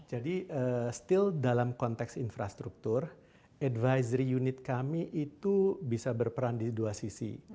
jadi masih dalam konteks infrastruktur advisory unit kami itu bisa berperan di dua sisi